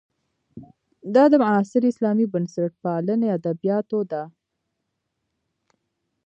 دا د معاصرې اسلامي بنسټپالنې ادبیاتو ده.